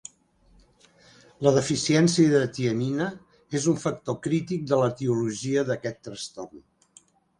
La deficiència de tiamina és un factor crític de l'etiologia d'aquest trastorn.